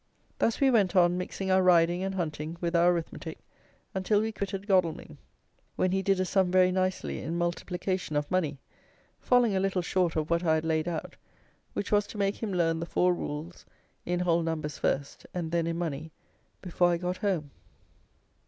Thus we went on mixing our riding and hunting with our arithmetic, until we quitted Godalming, when he did a sum very nicely in multiplication of money, falling a little short of what I had laid out, which was to make him learn the four rules in whole numbers first, and then in money, before I got home.